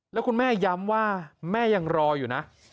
แล้วคุณแม่ย้ำว่าแม่ยังรออยู่นะ